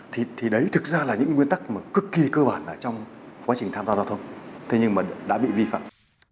thì đấy thực ra là những nguyên tắc mà cực kỳ cơ bản trong quá trình tham gia giao thông thế nhưng mà đã bị vi phạm